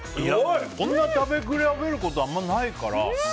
こんなに食べ比べることあんまりないから。